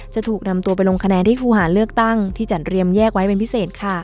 จะถูกนำตัวไปลงคะแนนที่ครูหาเลือกตั้งที่จัดเรียมแยกไว้เป็นพิเศษค่ะ